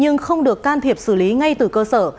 nhưng không được can thiệp xử lý ngay từ cơ sở